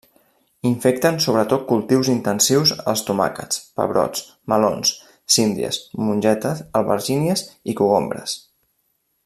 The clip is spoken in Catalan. Infecten sobretot cultius intensius els tomàquets, pebrots, melons, síndries, mongetes, albergínies i cogombres.